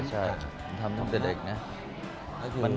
ใช่ผมทำตั้งแต่เด็กนะ